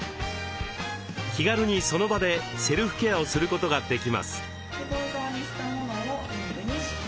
気軽にその場でセルフケアをすることができます。